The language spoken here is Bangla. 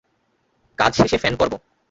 কাজ শেষে ফেন করব।